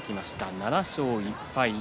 ７勝１敗。